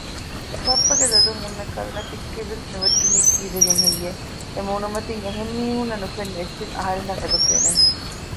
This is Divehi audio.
ބައްޕަގެ ލޮލުން އެންމެ ކަރުނަ ތިއްކެއްވެސް ނުވެއްޓުނީ ކީއްވެގެން ހެއްޔެވެ؟ އެމޫނުމަތިން އެހެންމީހުންނަށް ނުފެންނަ އެއްޗެއް އަހަރެނަށް އެބަފެނެ